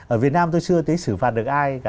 ở việt nam tôi chưa thấy xử phạt được ai